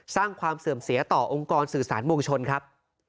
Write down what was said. สร้างความเสื่อมเสียต่อองค์กรสื่อสารมวลชนครับ